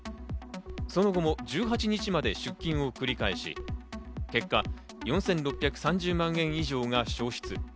その後も１８日まで出金を繰り返し、結果４６３０万円以上が消失。